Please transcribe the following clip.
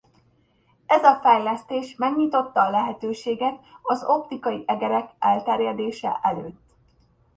Ez a fejlesztés megnyitotta a lehetőséget az optikai egerek elterjedése előtt.